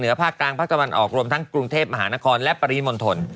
ภาคกลางภาคตะวันออกรวมทั้งกรุงเทพมหานครและปริมณฑล